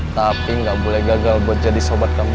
tapi nggak boleh gagal buat jadi sobat kamu